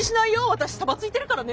私サバついてるからね！